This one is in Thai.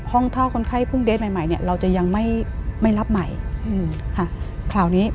ห้องเท่าคนไข้พุ่งเดสใหม่เราจะยังไม่รับใหม่คราวนี้